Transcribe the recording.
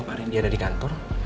apa pak rendy ada di kantor